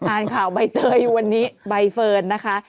อ่านข่าวใบเตยวันนี้ใบเฟิร์นนะคะ